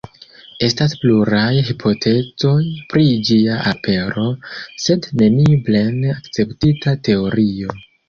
Estas pluraj hipotezoj pri ĝia apero, sed neniu plene akceptita teorio.